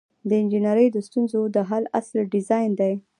د انجنیری د ستونزو د حل اصل ډیزاین دی.